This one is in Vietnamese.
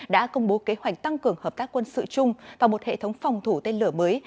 đã công bố kế hoạch tăng cường hợp tác quân sự chung và một hệ thống phòng thủ tên lửa mới